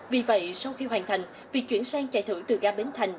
vì vậy sau khi hoàn thành việc chuyển sang chạy thử từ ga bến thành